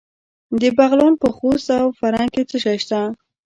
د بغلان په خوست او فرنګ کې څه شی شته؟